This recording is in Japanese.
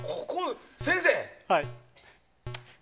先生！